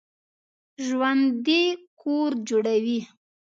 ژوندي کور جوړوي